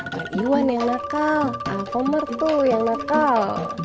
kan iwan yang nakal aakomertu yang nakal